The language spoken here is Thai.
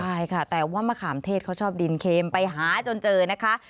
ใช่ค่ะแต่ว่ามะขามเทศเขาชอบดินเค็มไปหาจนเจอนะคะ